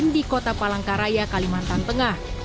di kota palangkaraya kalimantan tengah